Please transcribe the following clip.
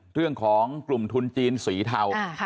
เรื่องของกลุ่มทุนจีนสีเทา